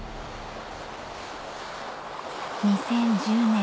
２０１０年